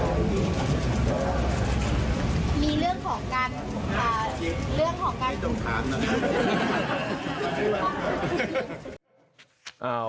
ไม่ต้องถามนะครับ